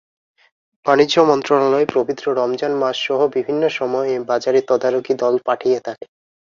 বাণিজ্য মন্ত্রণালয় পবিত্র রমজান মাসসহ বিভিন্ন সময়ে বাজারে তদারকি দল পাঠিয়ে থাকে।